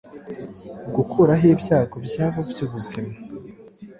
gukuraho ibyago byabo byubuzima